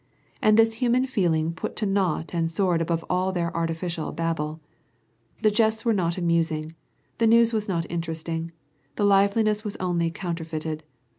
* And this human feeling put to naught and soared above all their artifical babble. The jests were not amusing, the news was not interesting, the liveliness was only counter feited.